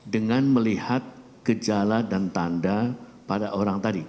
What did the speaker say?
dengan melihat gejala dan tanda pada orang tadi